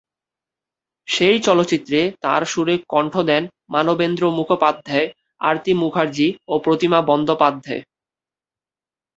সেই চলচ্চিত্রে তার সুরে কণ্ঠ দেন মানবেন্দ্র মুখোপাধ্যায়, আরতি মুখার্জি ও প্রতিমা বন্দ্যোপাধ্যায়।